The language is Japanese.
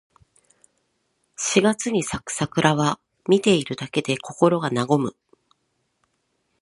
四月に咲く桜は、見ているだけで心が和む。